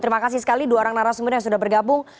terima kasih sekali dua orang narasumber yang sudah bergabung